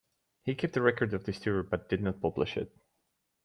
He kept a record of this tour, but did not publish it.